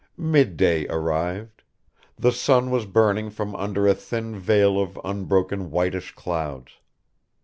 Midday arrived. The sun was burning from under a thin veil of unbroken whitish clouds.